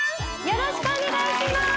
よろしくお願いします